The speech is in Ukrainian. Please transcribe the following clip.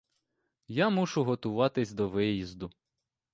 Я мушу готуватись до виїзду.